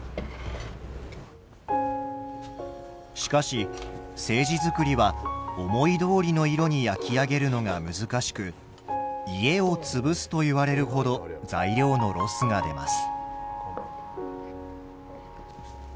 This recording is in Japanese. しかし青磁作りは思いどおりの色に焼き上げるのが難しく「家を潰す」といわれるほど材料のロスが出ます。